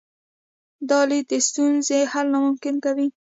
دا لید د ستونزې حل ناممکن کوي.